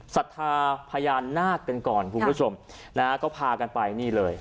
ศรัทธาพญานาคกันก่อนคุณผู้ชมนะฮะก็พากันไปนี่เลย